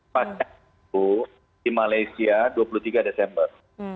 pak ketutupu di malaysia dua puluh tiga desember